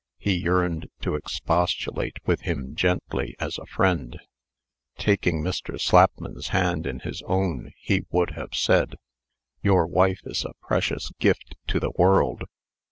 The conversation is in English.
He yearned to expostulate with him gently, as a friend. Taking Mr. Slapman's hand in his own, he would have said: "Your wife is a precious gift to the world.